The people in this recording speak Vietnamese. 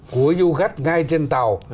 của du khách ngay trên tàu